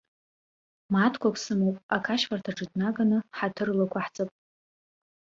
Мааҭқәак сымоуп, ақашьфарҭаҿы днаганы ҳаҭырк лықәаҳҵап.